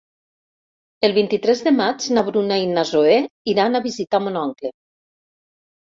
El vint-i-tres de maig na Bruna i na Zoè iran a visitar mon oncle.